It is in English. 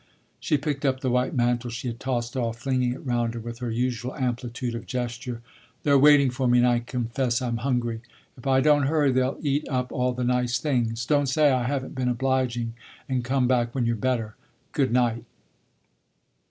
She picked up the white mantle she had tossed off, flinging it round her with her usual amplitude of gesture. "They're waiting for me and I confess I'm hungry. If I don't hurry they'll eat up all the nice things. Don't say I haven't been obliging, and come back when you're better. Good night."